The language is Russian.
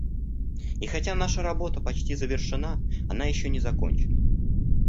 И хотя наша работа почти завершена, она еще не закончена.